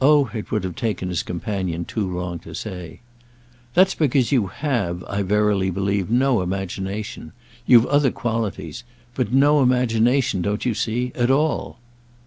Oh it would have taken his companion too long to say! "That's because you have, I verily believe, no imagination. You've other qualities. But no imagination, don't you see? at all."